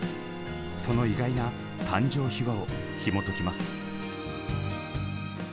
その意外な誕生秘話をひもときます。